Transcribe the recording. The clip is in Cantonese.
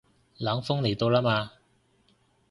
冷鋒嚟到啦嘛